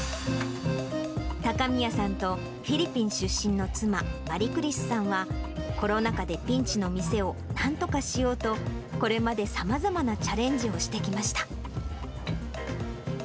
高宮さんとフィリピン出身の妻、マリクリスさんは、コロナ禍でピンチの店をなんとかしようと、これまでさまざまなチャレンジをしてきました。